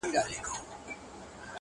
د هیلو او غوښتنو کیسه هیڅکله نه خلاصیږي